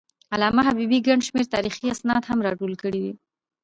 علامه حبيبي ګڼ شمېر تاریخي اسناد راټول کړي دي.